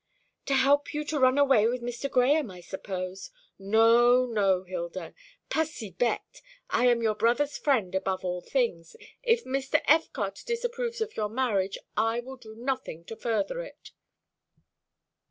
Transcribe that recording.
"To help you to run away with Mr. Grahame, I suppose. No, no, Hilda, pas si bête; I am your brother's friend above all things. If Mr. Effecotte disapproves of your marriage, I will do nothing to further it."